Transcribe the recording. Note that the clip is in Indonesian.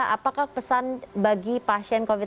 apakah pesan bagi pasien covid sembilan belas